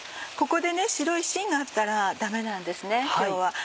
ここで白いしんがあったらダメなんです今日は。